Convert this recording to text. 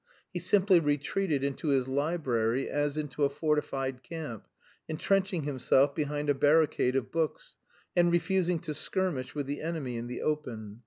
He simply retreated into his library as into a fortified camp, intrenching himself behind a barricade of books, and refusing to skirmish with the enemy in the open.